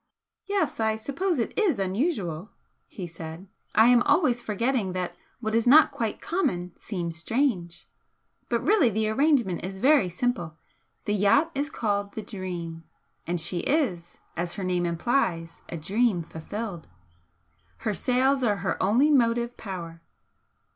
"Yes, I suppose it is unusual," he said "I am always forgetting that what is not quite common seems strange! But really the arrangement is very simple. The yacht is called the 'Dream' and she is, as her name implies, a 'dream' fulfilled. Her sails are her only motive power.